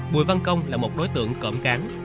bùi văn công là một đối tượng cỡm cán